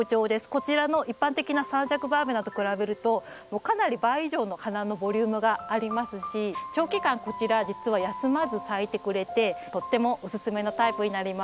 こちらの一般的な三尺バーベナと比べるともうかなり倍以上の花のボリュームがありますし長期間こちら実は休まず咲いてくれてとってもおすすめのタイプになります。